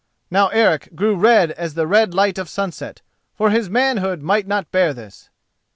Now Eric grew red as the red light of sunset, for his manhood might not bear this.